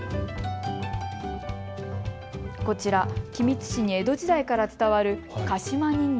こちら君津市に江戸時代から伝わる鹿島人形。